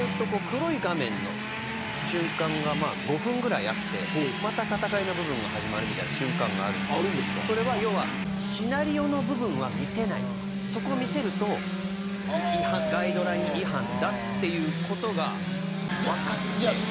その後、黒い画面の瞬間が５分ぐらいあってまた戦いの部分が始まるみたいな瞬間があるんですけど要はシナリオの部分は見せないそこを見せるとガイドライン違反だということが分かって。